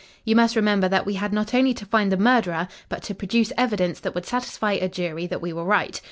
You must remember, that we had not only to find the murderer, but to produce evidence that would satisfy a jury that we were right.